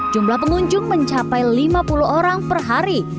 jumlah pengunjung mencapai lima puluh orang per hari